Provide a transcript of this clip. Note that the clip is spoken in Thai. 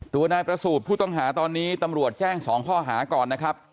ตัวนายประสูจน์ผู้ต้องหาตอนนี้ตำรวจแจ้ง๒ข้อหาก่อนนะครับ